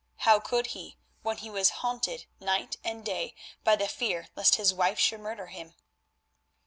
How could he when he was haunted night and day by the fear lest his wife should murder him?